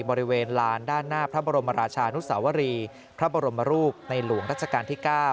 บริเวณลานด้านหน้าพระบรมราชานุสาวรีพระบรมรูปในหลวงรัชกาลที่๙